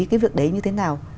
cái việc đấy như thế nào